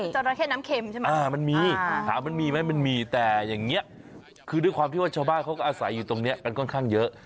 จริงขอบคุณครับนะจาราแค่น้ำเค็มใช่ไหมใช่มันมีแต่อย่างอย่างนี้คือด้วยความที่ว่าชาวบ้านเขาก็อาศัยอยู่ตรงนี้กันค่อนข้างเยอะ